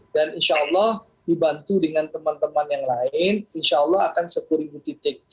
dan insya allah dibantu dengan teman teman yang lain insya allah akan sepuluh titik